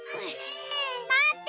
まって！